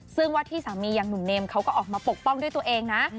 ซึ่งว่าที่สามีอย่างหนุ่มเนมเขาก็ออกมาปกป้องด้วยตัวเองนะ